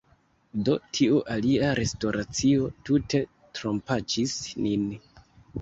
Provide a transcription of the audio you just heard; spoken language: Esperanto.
Do, tiu alia restoracio tute trompaĉis nin!